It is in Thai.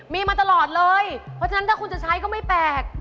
มีมาตลอดเลยเพราะฉะนั้นถ้าคุณจะใช้ก็ไม่แปลก